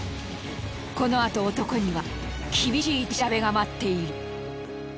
このあと男には厳しい取り調べが待っている。